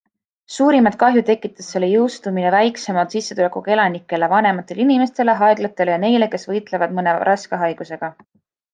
Suurimat kahju tekitaks selle jõustumine väiksema sissetulekuga elanikele, vanematele inimestele, haiglatele ja neile, kes võitlevad mõne raske haigusega.